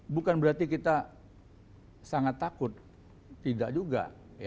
bukan berarti kita sangat takut tidak juga